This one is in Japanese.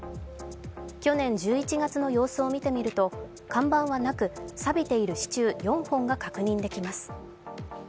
去年１１月の様子を見てみると看板はなくさびている支柱４本が確認できます。